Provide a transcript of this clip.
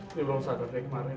belum sadar kayak kemarin